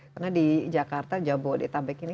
karena di jakarta jabodetabek ini